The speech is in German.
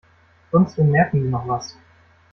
Sonst bemerken die noch was.